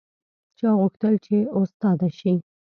چا غوښتل چې استاده شي